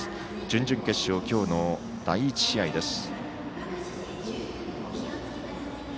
準々決勝、今日の第１試合です。